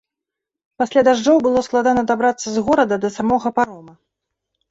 Пасля дажджоў было складана дабрацца з горада да самога парома.